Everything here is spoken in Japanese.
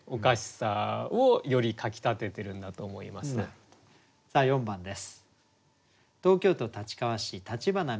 さあ４番です。